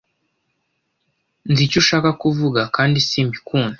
Nzi icyo ushaka kuvuga, kandi simbikunda.